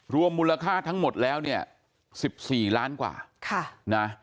รวมมูลค่าทั้งหมดแล้วเนี่ย๑๔ล้านกว่านะ